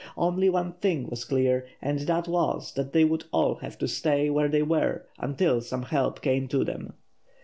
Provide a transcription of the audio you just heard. Only one thing was clear, and that was, that they would all have to stay where they were until some help came to them.